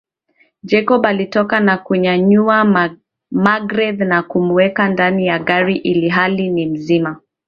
Jacob alitoka na kumnyanyua magreth na kumuweka ndani ya gari ilihali ni mzima